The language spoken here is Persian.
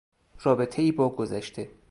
رابطهای با گذشته